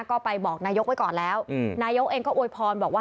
ก็ไปบอกนายกไว้ก่อนแล้วนายกเองก็อวยพรบอกว่า